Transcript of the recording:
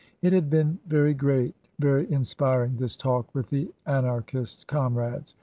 It had been very great, very inspiring, this talk with the Anarchist comrades.